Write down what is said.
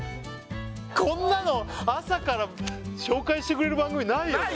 こんなの朝から紹介してくれる番組ないよね？